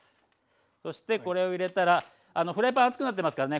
そしてこれを入れたらフライパン熱くなってますからね